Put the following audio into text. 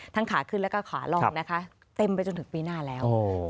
ทั้งขาขึ้นแล้วก็ขาลองเต็มไปจนถึงปีหน้าแล้ว